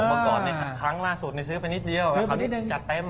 โอ้โหประกอบนี้ครั้งล่าสุดนี่ซื้อไปนิดเดียวซื้อไปนิดเดียวจัดเต็ม